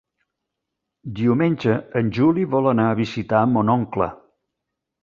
Diumenge en Juli vol anar a visitar mon oncle.